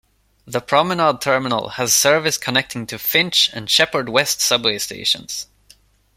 The Promenade Terminal has service connecting to Finch and Sheppard West subway stations.